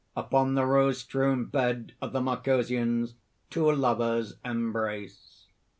Upon the rose strewn bed of the Marcosians, two lovers embrace.